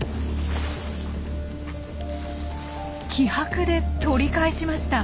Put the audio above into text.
気迫で取り返しました。